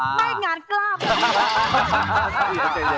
ไม่งานกราบ